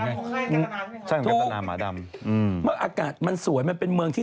นั่นไงตั๊กแทรกไปบ่อยว่ะสมัยก่อนไงถูกอากาศมันสวยมันเป็นเมืองที่